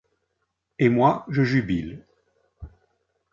Et moi je jubile.